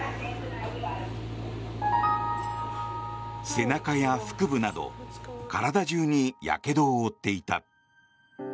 背中や腹部など体中にやけどを負っていた。